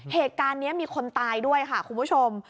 เหตุการณ์นี้มีคนตายด้วยค่ะคุณผู้ชม